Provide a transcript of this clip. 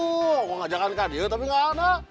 aku ajakkan kan dia tapi gak ada